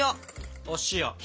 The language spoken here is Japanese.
お塩。